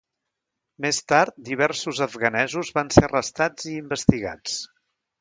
Més tard, diversos afganesos van ser arrestats i investigats.